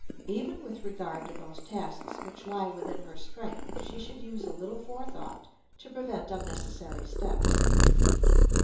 Even with regard to those tasks which lie within her strength she should use a little forethought to prevent unnecessary steps.